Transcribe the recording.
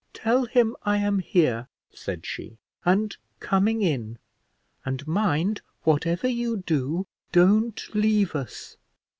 "Tell him I am here," said she, "and coming in; and mind, whatever you do, don't leave us."